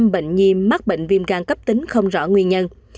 năm bệnh nhi mắc bệnh viêm gan cấp tính không rõ nguyên nhân